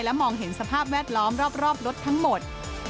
มองเห็นสภาพแวดล้อมรอบรถทั้งหมด